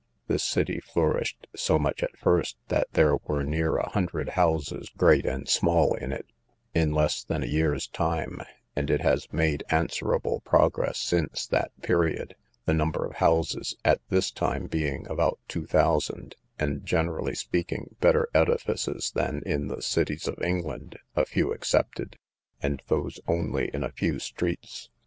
This city flourished so much at first, that there were near a hundred houses, great and small in it, in less than a year's time; and it has made answerable progress since that period; the number of houses, at this time, being about two thousand, and, generally speaking, better edifices than in the cities of England, a few excepted, and those only in a few streets.